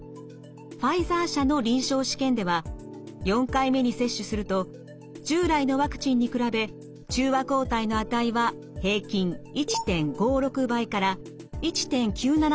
ファイザー社の臨床試験では４回目に接種すると従来のワクチンに比べ中和抗体の値は平均１．５６倍から１．９７倍に上昇しました。